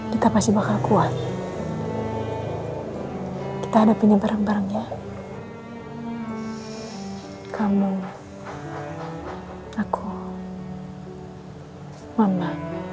kita pasti bakal kuat kita ada punya bareng barengnya kamu aku mama